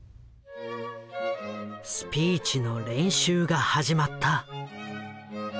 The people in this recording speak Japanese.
スピーチの練習が始まった。